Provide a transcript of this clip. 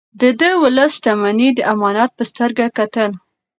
ده د ولس شتمني د امانت په سترګه کتل.